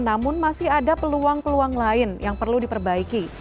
namun masih ada peluang peluang lain yang perlu diperbaiki